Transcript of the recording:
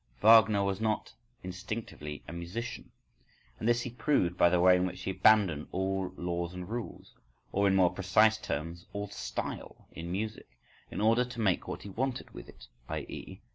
Wagner was not instinctively a musician. And this he proved by the way in which he abandoned all laws and rules, or, in more precise terms, all style in music, in order to make what he wanted with it, _i.e.